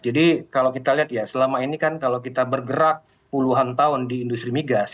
jadi kalau kita lihat ya selama ini kan kalau kita bergerak puluhan tahun di industri migas